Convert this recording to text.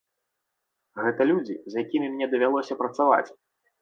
Гэта людзі, з якімі мне давялося працаваць.